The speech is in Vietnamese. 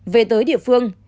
về tới địa phương